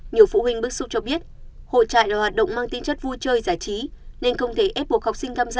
nhiều phụ huynh bức xúc cho biết hồ trại là hoạt động mang tính chất vui chơi giải trí nên không thể ép buộc học sinh tham gia